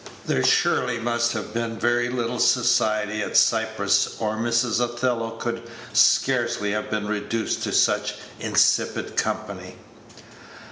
There must surely have been very little "society" at Cyprus, or Mrs. Othello could scarcely have been reduced to such insipid company.